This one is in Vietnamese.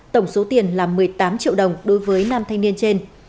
tổng số tiền là một mươi tám triệu đồng đối với nam thanh niên trên